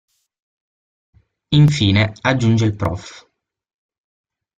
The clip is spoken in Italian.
Infine, aggiunge il prof.